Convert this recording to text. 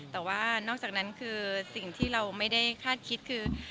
แต่ว่านอกจากนั้นคือสิ่งที่เราไม่ได้คาดคิดคือ